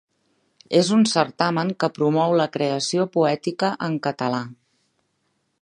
És un certamen que promou la creació poètica en català.